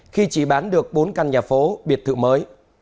khi chỉ bán được bốn căn nhà phố biệt thự mới